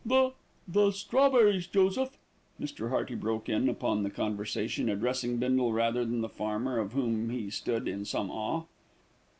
"The the strawberries, Joseph," Mr. Hearty broke in upon the conversation, addressing Bindle rather than the farmer, of whom he stood in some awe.